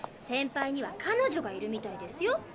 センパイには彼女がいるみたいですよ。